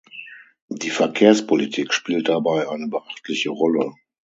Die Verkehrspolitik spielt dabei eine beachtliche Rolle.